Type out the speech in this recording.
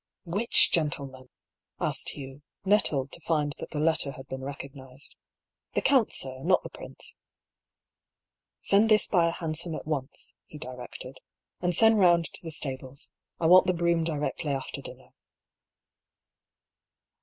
" Which gentleman ?" asked Hugh — nettled to find that the letter had been recognised. " The count, sir ; not the prince.'* "Send this by a hansom at once," he directed. "'TWIXT THE CUP AND THE LIP." 221 " And send round to the stables. I want the brougham directly after dinner."